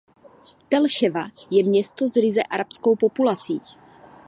Tel Ševa je město s ryze arabskou populací.